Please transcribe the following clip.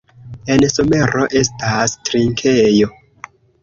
En somero estas trinkejo.